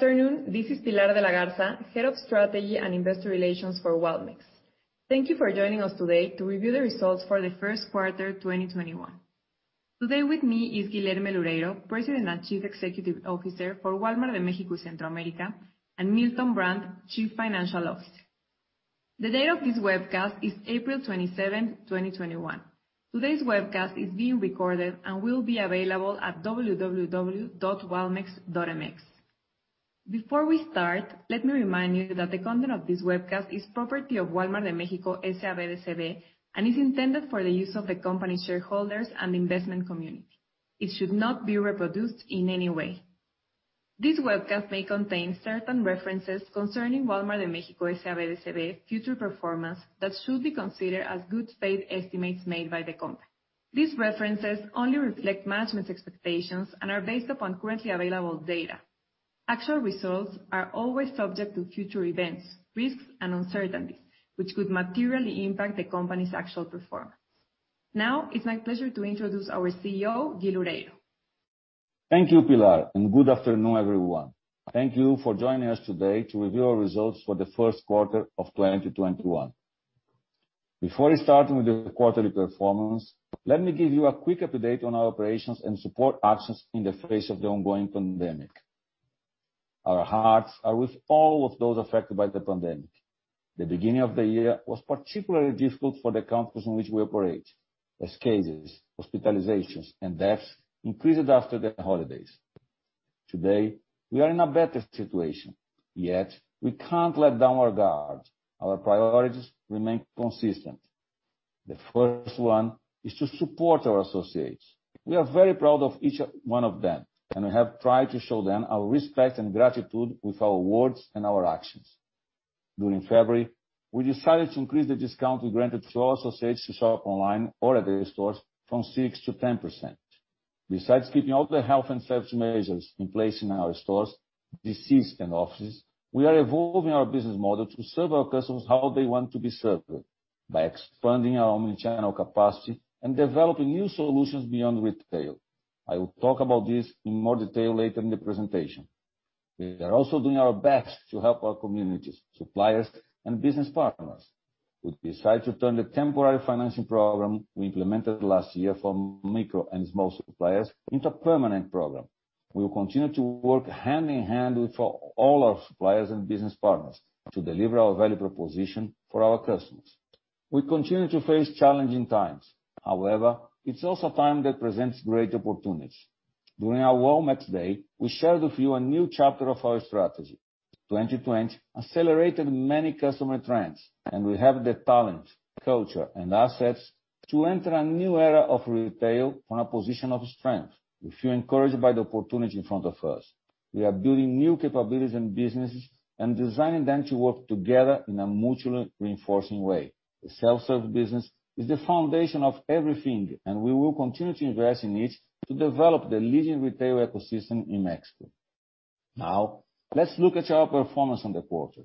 Good afternoon. This is Pilar de la Garza, Head of Strategy and Investor Relations for Walmex. Thank you for joining us today to review the results for the first quarter 2021. Today with me is Guilherme Loureiro, President and Chief Executive Officer for Wal-Mart de México y Centroamérica, and Milton Brandt, Chief Financial Officer. The date of this webcast is April 27th, 2021. Today's webcast is being recorded and will be available at www.walmex.mx. Before we start, let me remind you that the content of this webcast is property of Wal-Mart de México, S.A.B. de C.V. and is intended for the use of the company shareholders and investment community. It should not be reproduced in any way. This webcast may contain certain references concerning Wal-Mart de México, S.A.B. de C.V. future performance that should be considered as good faith estimates made by the company. These references only reflect management's expectations and are based upon currently available data. Actual results are always subject to future events, risks, and uncertainties, which could materially impact the company's actual performance. It's my pleasure to introduce our CEO, Guilherme Loureiro. Thank you, Pilar, and good afternoon, everyone. Thank you for joining us today to review our results for the first quarter of 2021. Before starting with the quarterly performance, let me give you a quick update on our operations and support actions in the face of the ongoing pandemic. Our hearts are with all of those affected by the pandemic. The beginning of the year was particularly difficult for the countries in which we operate, as cases, hospitalizations, and deaths increased after the holidays. Today, we are in a better situation, yet we can't let down our guard. Our priorities remain consistent. The first one is to support our associates. We are very proud of each one of them, and we have tried to show them our respect and gratitude with our words and our actions. During February, we decided to increase the discount we granted to our associates who shop online or at the stores from 6% to 10%. Besides keeping all the health and safety measures in place in our stores, DCs, and offices, we are evolving our business model to serve our customers how they want to be served by expanding our omnichannel capacity and developing new solutions beyond retail. I will talk about this in more detail later in the presentation. We are also doing our best to help our communities, suppliers, and business partners. We've decided to turn the temporary financing program we implemented last year for micro and small suppliers into a permanent program. We will continue to work hand-in-hand with all our suppliers and business partners to deliver our value proposition for our customers. We continue to face challenging times. However, it's also a time that presents great opportunities. During our Walmex Day, we shared with you a new chapter of our strategy. 2020 accelerated many customer trends, and we have the talent, culture, and assets to enter a new era of retail from a position of strength. We feel encouraged by the opportunity in front of us. We are building new capabilities and businesses and designing them to work together in a mutually reinforcing way. The self-serve business is the foundation of everything, and we will continue to invest in it to develop the leading retail ecosystem in Mexico. Now, let's look at our performance in the quarter.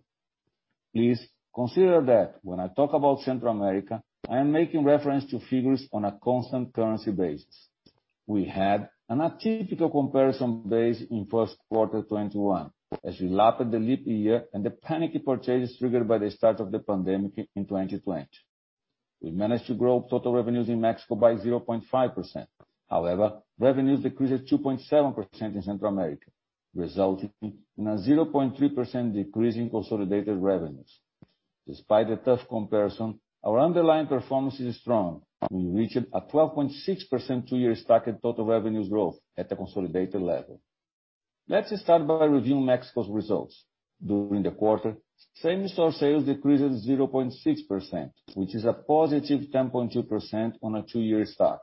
Please consider that when I talk about Central America, I am making reference to figures on a constant currency basis. We had an atypical comparison base in first quarter 2021, as we lapped the leap year and the panicky purchases triggered by the start of the pandemic in 2020. We managed to grow total revenues in Mexico by 0.5%. Revenues decreased 2.7% in Central America, resulting in a 0.3% decrease in consolidated revenues. Despite the tough comparison, our underlying performance is strong. We reached a 12.6% two-year stacked total revenues growth at the consolidated level. Let's start by reviewing Mexico's results. During the quarter, same-store sales decreased 0.6%, which is a positive 10.2% on a two-year stack.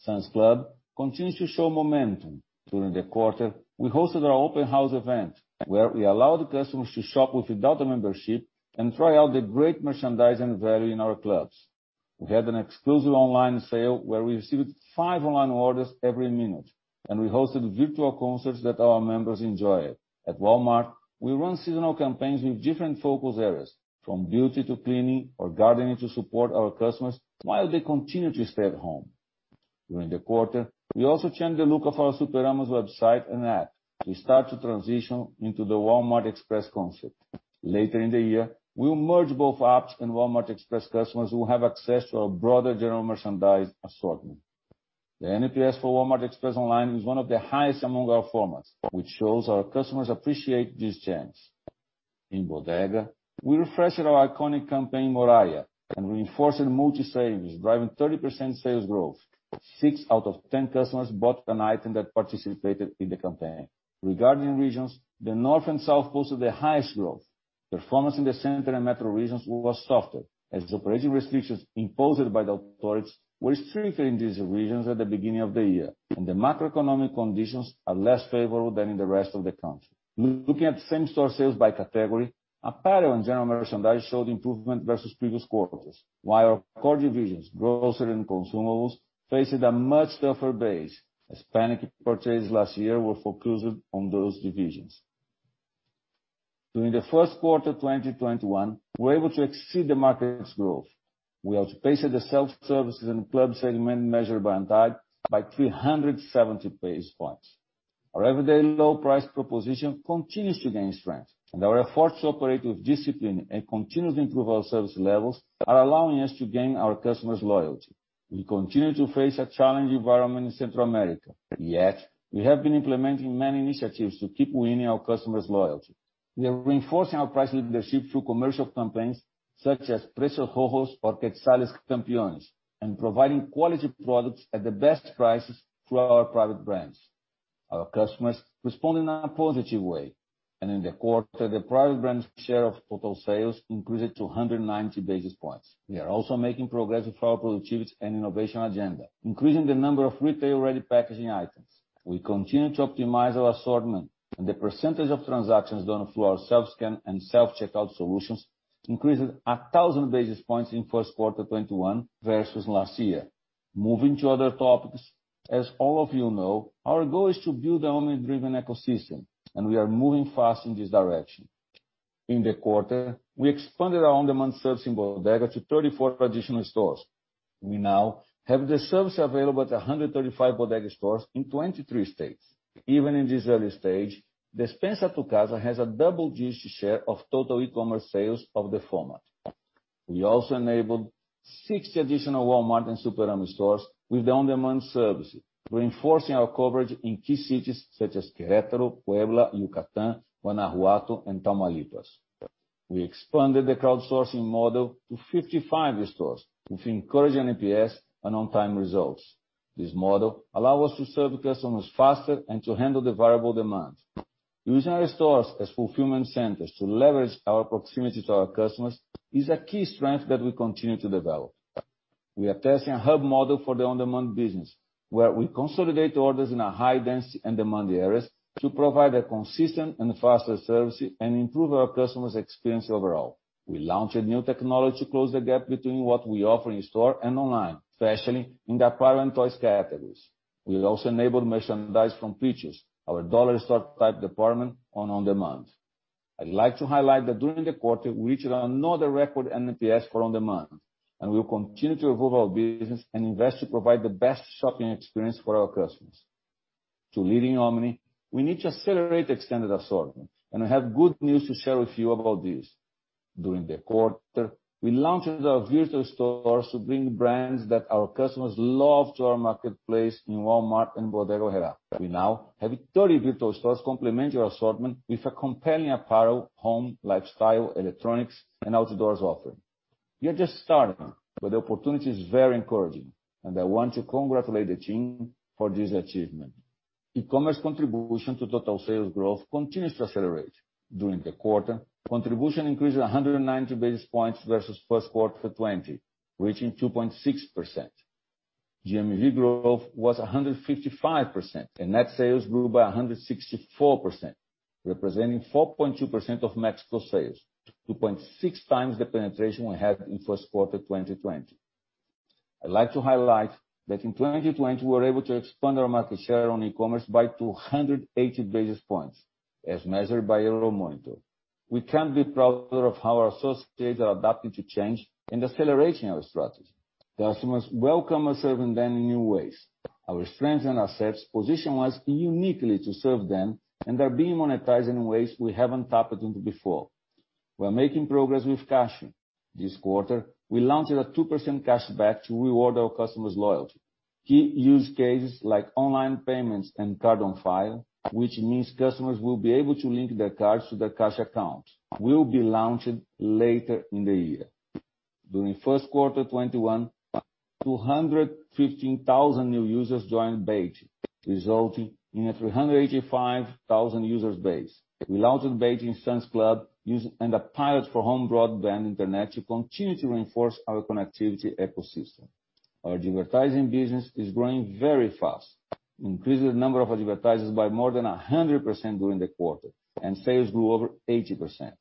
Sam's Club continues to show momentum. During the quarter, we hosted our open house event, where we allowed customers to shop without a membership and try out the great merchandise and value in our clubs. We had an exclusive online sale where we received five online orders every minute, and we hosted virtual concerts that our members enjoyed. At Walmart, we run seasonal campaigns with different focus areas, from beauty to cleaning or gardening to support our customers while they continue to stay at home. During the quarter, we also changed the look of our Superama website and app to start to transition into the Walmart Express concept. Later in the year, we'll merge both apps, and Walmart Express customers will have access to a broader general merchandise assortment. The NPS for Walmart Express online is one of the highest among our formats, which shows our customers appreciate these changes. In Bodega, we refreshed our iconic campaign Morralla and reinforced multi-savings, driving 30% sales growth. Six out of 10 customers bought an item that participated in the campaign. Regarding regions, the North and South posted the highest growth. Performance in the Center and Metro regions was softer, as operating restrictions imposed by the authorities were stricter in these regions at the beginning of the year, and the macroeconomic conditions are less favorable than in the rest of the country. Looking at same-store sales by category, apparel and general merchandise showed improvement versus previous quarters, while core divisions, grocery and consumables, faced a much tougher base, as panicky purchases last year were focused on those divisions. During the first quarter of 2021, we were able to exceed the market's growth. We outpaced the self-services and club segment measured by unit type by 370 basis points. Our everyday low price proposition continues to gain strength, and our efforts to operate with discipline and continuously improve our service levels are allowing us to gain our customers' loyalty. We continue to face a challenging environment in Central America, yet we have been implementing many initiatives to keep winning our customers' loyalty. We are reinforcing our price leadership through commercial campaigns such as Precios Rojos or Quetzales Campeones, and providing quality products at the best prices through our private brands. In the quarter, the private brand's share of total sales increased to 190 basis points. We are also making progress with our productivity and innovation agenda, increasing the number of retail-ready packaging items. We continue to optimize our assortment, the percentage of transactions done through our self-scan and self-checkout solutions increased 1,000 basis points in Q1 2021 versus last year. Moving to other topics, as all of you know, our goal is to build our own driven ecosystem, we are moving fast in this direction. In the quarter, we expanded our on-demand service in Bodega to 34 traditional stores. We now have the service available at 135 Bodega stores in 23 states. Even in this early stage, Despensa a Tu Casa has a double-digit share of total e-commerce sales of the format. We also enabled 60 additional Walmart and Superama stores with the on-demand services, reinforcing our coverage in key cities such as Querétaro, Puebla, Yucatán, Guanajuato, and Tamaulipas. We expanded the crowdsourcing model to 55 stores, with encouraging NPS and on-time results. This model allows us to serve customers faster and to handle the variable demand. Using our stores as fulfillment centers to leverage our proximity to our customers is a key strength that we continue to develop. We are testing a hub model for the on-demand business, where we consolidate orders in our high-density and demanding areas to provide a consistent and faster service and improve our customers' experience overall. We launched a new technology to close the gap between what we offer in store and online, especially in the apparel and toys categories. We'll also enable merchandise from Prichos, our dollar store type department, on-demand. I'd like to highlight that during the quarter, we reached another record NPS for on-demand, and we will continue to evolve our business and invest to provide the best shopping experience for our customers. To leading Omni, we need to accelerate extended assortment, and I have good news to share with you about this. During the quarter, we launched our virtual stores to bring brands that our customers love to our marketplace in Walmart and Bodega Aurrera. We now have 30 virtual stores complementing our assortment with a compelling apparel, home, lifestyle, electronics, and outdoors offering. We are just starting, but the opportunity is very encouraging, and I want to congratulate the team for this achievement. E-commerce contribution to total sales growth continues to accelerate. During the quarter, contribution increased 190 basis points versus Q1 2020, reaching 2.6%. GMV growth was 155%, and net sales grew by 164%, representing 4.2% of Mexico sales, 2.6x the penetration we had in Q1 2020. I'd like to highlight that in 2020, we were able to expand our market share on e-commerce by 280 basis points as measured by Euromonitor. We can't be prouder of how our associates are adapting to change and accelerating our strategy. Customers welcome us serving them in new ways. Our strengths and assets position us uniquely to serve them and are being monetized in ways we haven't tapped into before. We're making progress with Cashi. This quarter, we launched a 2% cashback to reward our customers' loyalty. Key use cases like online payments and card on file, which means customers will be able to link their cards to their cash account, will be launched later in the year. During Q1 2021, 215,000 new users joined BAIT, resulting in a 385,000 user base. We launched BAIT in Sam's Club and a pilot for home broadband internet to continue to reinforce our connectivity ecosystem. Our advertising business is growing very fast, increasing the number of advertisers by more than 100% during the quarter, and sales grew over 80%.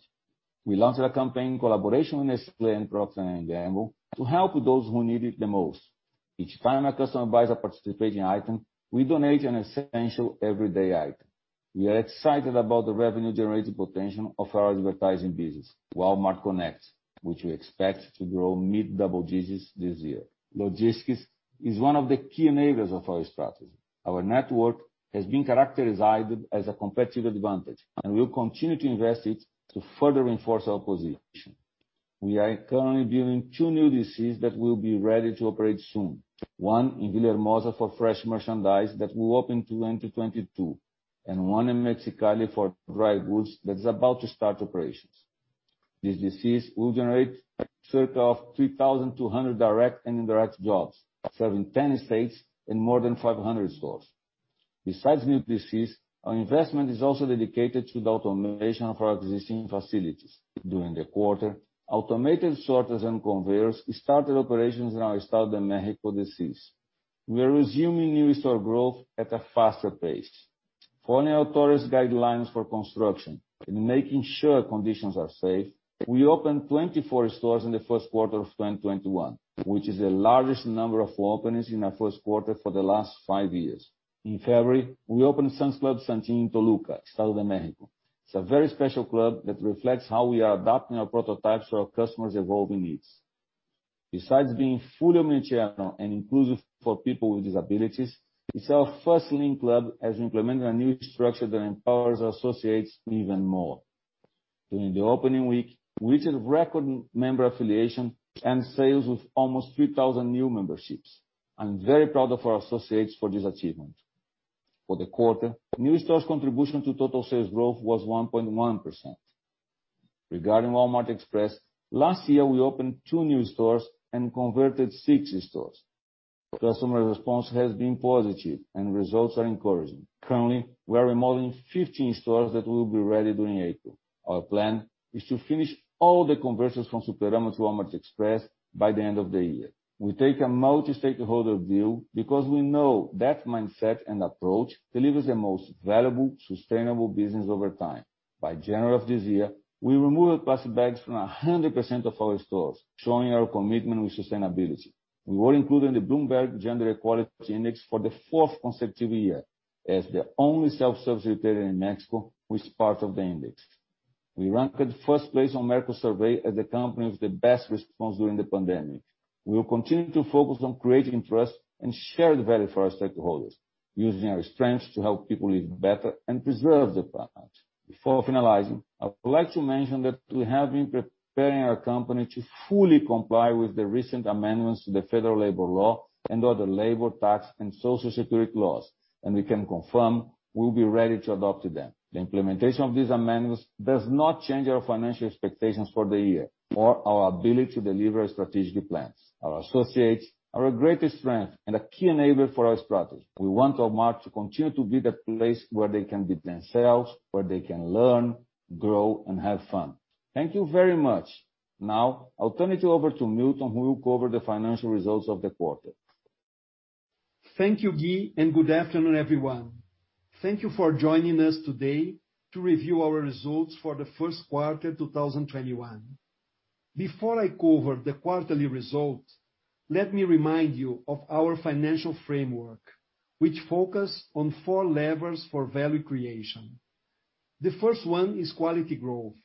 We launched a campaign in collaboration with Nestlé and Procter & Gamble to help those who need it the most. Each time a customer buys a participating item, we donate an essential everyday item. We are excited about the revenue-generating potential of our advertising business, Walmart Connect, which we expect to grow mid-double digits this year. Logistics is one of the key enablers of our strategy. Our network has been characterized as a competitive advantage, and we'll continue to invest it to further reinforce our position. We are currently building two new DCs that will be ready to operate soon, one in Villahermosa for fresh merchandise that will open 2022, and one in Mexicali for dry goods that is about to start operations. These DCs will generate circa 3,200 direct and indirect jobs, serving 10 states and more than 500 stores. Besides new DCs, our investment is also dedicated to the automation of our existing facilities. During the quarter, automated sorters and conveyors started operations in our Estado de México DCs. We are resuming new store growth at a faster pace. Following our tourist guidelines for construction and making sure conditions are safe, we opened 24 stores in the first quarter of 2021, which is the largest number of openings in our first quarter for the last five years. In February, we opened Sam's Club Santín Toluca, Estado de México. It's a very special club that reflects how we are adapting our prototypes to our customers' evolving needs. Besides being fully omnichannel and inclusive for people with disabilities, it's our first Link club, as we implemented a new structure that empowers our associates even more. During the opening week, we hit a record member affiliation and sales with almost 3,000 new memberships. I'm very proud of our associates for this achievement. For the quarter, new stores' contribution to total sales growth was 1.1%. Regarding Walmart Express, last year, we opened two new stores and converted six stores. Customer response has been positive, and results are encouraging. Currently, we are remodeling 15 stores that will be ready during April. Our plan is to finish all the conversions from Superama to Walmart Express by the end of the year. We take a multi-stakeholder view because we know that mindset and approach delivers the most valuable, sustainable business over time. By January of this year, we removed plastic bags from 100% of our stores, showing our commitment with sustainability. We were included in the Bloomberg Gender-Equality Index for the fourth consecutive year, as the only self-service retailer in Mexico who is part of the index. We ranked first place on Merco survey as the company with the best response during the pandemic. We will continue to focus on creating trust and shared value for our stakeholders, using our strengths to help people live better and preserve the planet. Before finalizing, I would like to mention that we have been preparing our company to fully comply with the recent amendments to the Federal Labor Law and other labor, tax, and social security laws, and we can confirm we'll be ready to adopt them. The implementation of these amendments does not change our financial expectations for the year or our ability to deliver our strategic plans. Our associates are our greatest strength and a key enabler for our strategy. We want Walmart to continue to be the place where they can be themselves, where they can learn, grow, and have fun. Thank you very much. Now, I'll turn it over to Milton, who will cover the financial results of the quarter. Thank you, Gui. Good afternoon, everyone. Thank you for joining us today to review our results for the First quarter 2021. Before I cover the quarterly results, let me remind you of our financial framework, which focus on four levers for value creation. The first one is quality growth.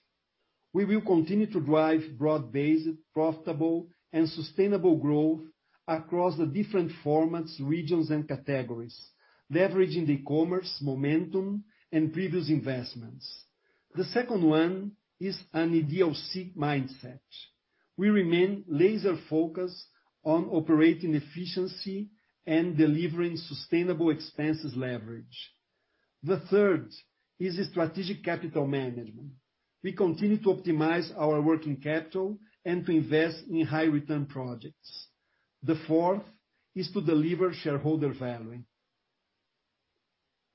We will continue to drive broad-based, profitable, and sustainable growth across the different formats, regions, and categories, leveraging the commerce momentum and previous investments. The second one is an EDLC mindset. We remain laser-focused on operating efficiency and delivering sustainable expenses leverage. The third is strategic capital management. We continue to optimize our working capital and to invest in high-return projects. The fourth is to deliver shareholder value.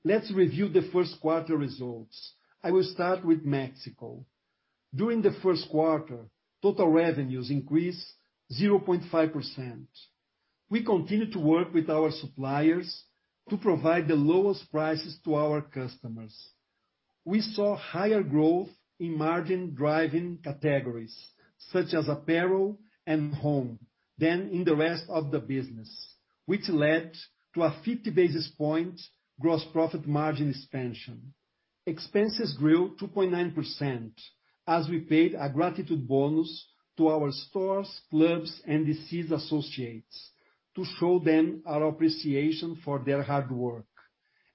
Let's review the First quarter results. I will start with Mexico. During the First quarter, total revenues increased 0.5%. We continued to work with our suppliers to provide the lowest prices to our customers. We saw higher growth in margin-driving categories, such as apparel and home, than in the rest of the business, which led to a 50 basis point gross profit margin expansion. Expenses grew 2.9% as we paid a gratitude bonus to our stores, clubs, and DCs associates to show them our appreciation for their hard work.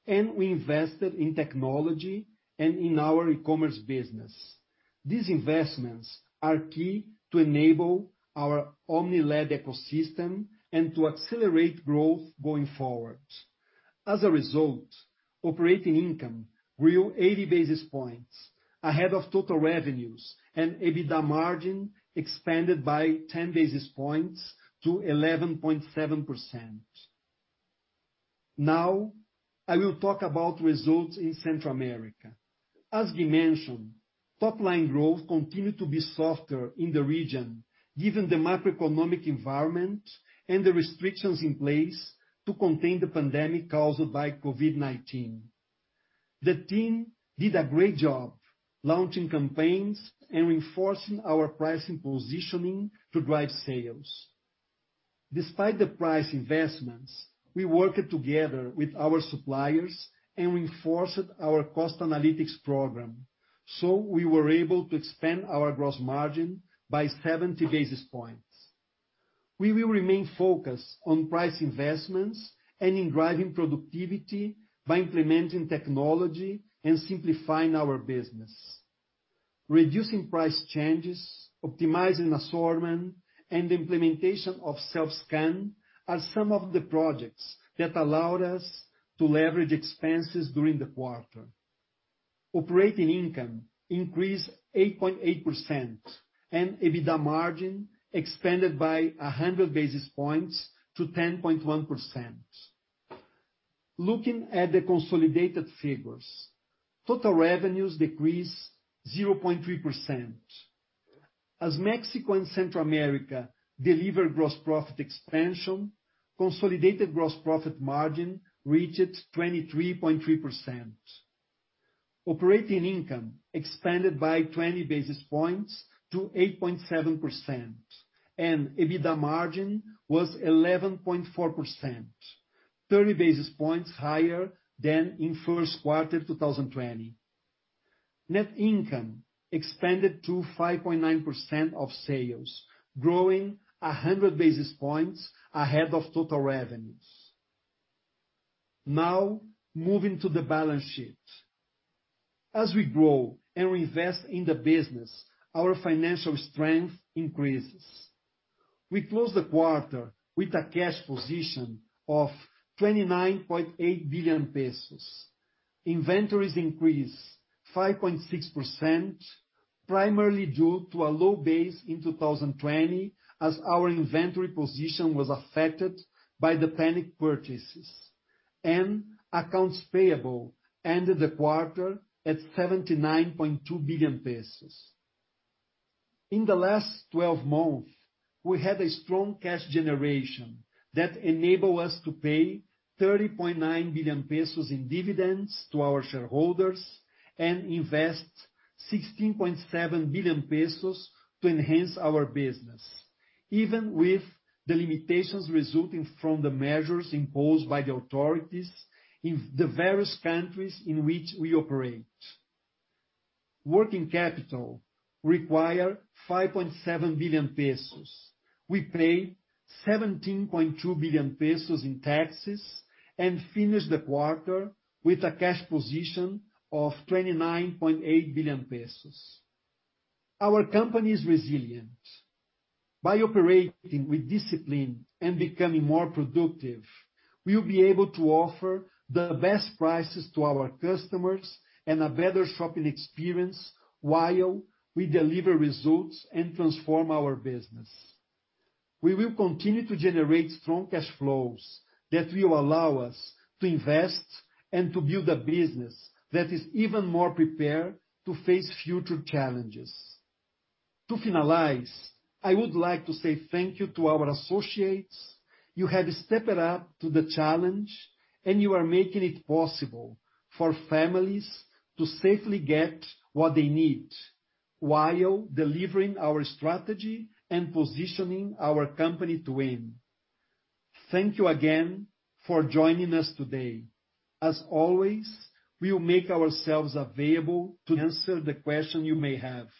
We invested in technology and in our e-commerce business. These investments are key to enable our omni-led ecosystem and to accelerate growth going forward. As a result, operating income grew 80 basis points, ahead of total revenues, and EBITDA margin expanded by 10 basis points to 11.7%. Now, I will talk about results in Central America. As Gui mentioned, top-line growth continued to be softer in the region, given the macroeconomic environment and the restrictions in place to contain the pandemic caused by COVID-19. The team did a great job launching campaigns and reinforcing our pricing positioning to drive sales. Despite the price investments, we worked together with our suppliers and reinforced our cost analytics program, so we were able to expand our gross margin by 70 basis points. We will remain focused on price investments and in driving productivity by implementing technology and simplifying our business. Reducing price changes, optimizing assortment, and implementation of self-scan are some of the projects that allowed us to leverage expenses during the quarter. Operating income increased 8.8%, and EBITDA margin expanded by 100 basis points to 10.1%. Looking at the consolidated figures, total revenues decreased 0.3%. As Mexico and Central America deliver gross profit expansion, consolidated gross profit margin reached 23.3%. Operating income expanded by 20 basis points to 8.7%, and EBITDA margin was 11.4%, 30 basis points higher than in first quarter 2020. Net income expanded to 5.9% of sales, growing 100 basis points ahead of total revenues. Now, moving to the balance sheet. As we grow and we invest in the business, our financial strength increases. We closed the quarter with a cash position of 29.8 billion pesos. Inventories increased 5.6%, primarily due to a low base in 2020, as our inventory position was affected by the panic purchases and accounts payable ended the quarter at 79.2 billion pesos. In the last 12 months, we had a strong cash generation that enabled us to pay 30.9 billion pesos in dividends to our shareholders and invest 16.7 billion pesos to enhance our business, even with the limitations resulting from the measures imposed by the authorities in the various countries in which we operate. Working capital required 5.7 billion pesos. We paid 17.2 billion pesos in taxes and finished the quarter with a cash position of 29.8 billion pesos. Our company is resilient. By operating with ddiscipline and becoming more productive, we will be able to offer the best prices to our customers and a better shopping experience while we deliver results and transform our business. We will continue to generate strong cash flows that will allow us to invest and to build a business that is even more prepared to face future challenges. To finalize, I would like to say thank you to our associates. You have stepped up to the challenge, you are making it possible for families to safely get what they need while delivering our strategy and positioning our company to win. Thank you again for joining us today. As always, we will make ourselves available to answer the questions you may have.